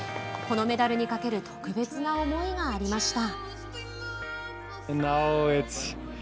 このメダルにかける特別な思いがありました。